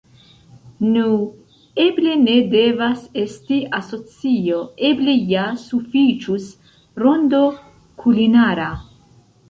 Nu, eble ne devas esti asocio; eble ja sufiĉus “Rondo Kulinara.